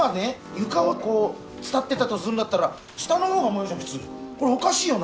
床を伝ってったとするんだったら下の方が燃えるじゃん普通これおかしいよな